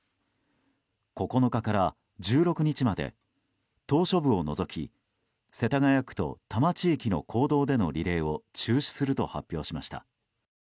９日から１６日まで島しょ部を除き世田谷区と多摩地域の公道でのリレーを中止すると発表しました。